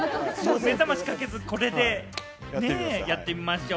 目覚ましかけず、これでやってみましょう。